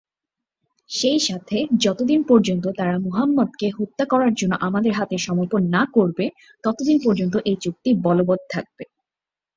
সেই সাথে যতদিন পর্যন্ত তারা মুহাম্মদকে হত্যা করার জন্য আমাদের হাতে সমর্পণ না করবে ততদিন পর্যন্ত এ চুক্তি বলবৎ থাকবে।